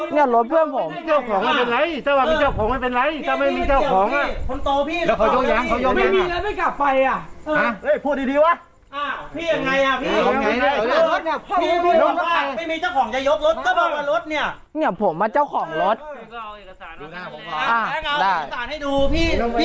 พี่เรามาทำทางเครมใส่ไหมไหมใช่พี่